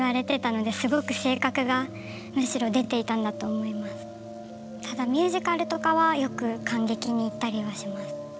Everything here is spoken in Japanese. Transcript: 酔えなくてよく先生にもただミュージカルとかはよく観劇に行ったりはします。